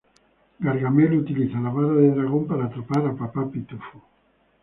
Gargamel utiliza la vara de dragón para atrapar a Papá Pitufo.